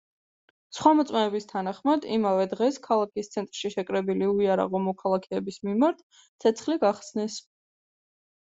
სხვა მოწმეების თანახმად, იმავე დღეს, ქალაქის ცენტრში შეკრებილი უიარაღო მოქალაქეების მიმართ ცეცხლი გახსნეს.